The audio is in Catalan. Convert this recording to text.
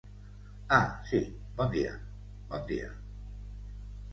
Ah, sí, bon dia, bon dia.